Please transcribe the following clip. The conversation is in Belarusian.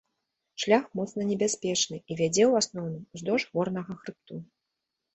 Шлях моцна небяспечны і вядзе ў асноўным уздоўж горнага хрыбту.